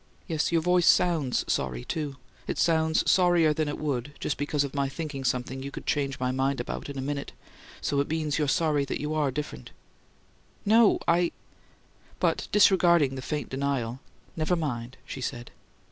Yes, your voice SOUNDS sorry, too. It sounds sorrier than it would just because of my thinking something you could change my mind about in a minute so it means you're sorry you ARE different." "No I " But disregarding the faint denial, "Never mind," she said.